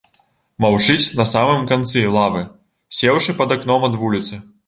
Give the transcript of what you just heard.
Маўчыць на самым канцы лавы, сеўшы пад акном ад вуліцы.